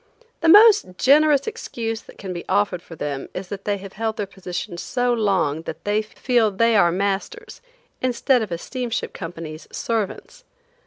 The most generous excuse that can be offered for them is that they have held their positions so long that they feel they are masters, instead of a steamship company's servants.